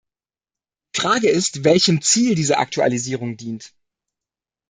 Die Frage ist, welchem Ziel diese Aktualisierung dient.